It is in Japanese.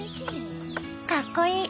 かっこいい。